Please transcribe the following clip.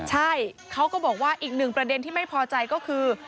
ใช่เขาก็บอกว่าอีกหนึ่งประเด็นที่ไม่พอใจก็คือ